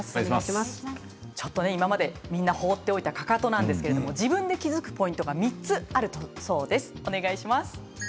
今までみんなが放っておいたかかとなんですが自分で気付くポイントが３つあるそうですね。